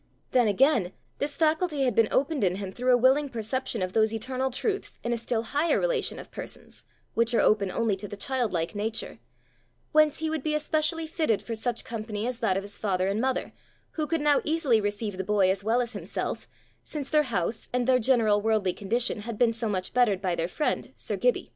Then again, this faculty had been opened in him through a willing perception of those eternal truths, in a still higher relation of persons, which are open only to the childlike nature; whence he would be especially fitted for such company as that of his father and mother, who could now easily receive the boy as well as himself, since their house and their general worldly condition had been so much bettered by their friend, sir Gibbie!